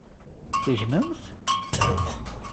Tegnemt?